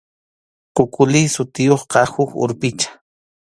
Kukuli sutiyuqqa huk urpicha.